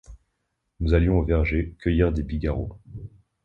Nous allions au verger cueillir des bigarreaux.